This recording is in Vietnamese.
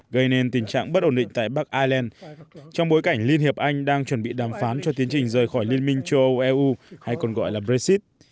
gây nên tình trạng bất ổn định tại bắc ireland trong bối cảnh liên hiệp anh đang chuẩn bị đàm phán cho tiến trình rời khỏi liên minh châu âu eu hay còn gọi là brexit